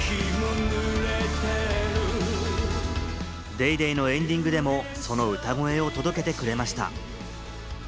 『ＤａｙＤａｙ．』のエンディングでもその歌声を届けてくれました。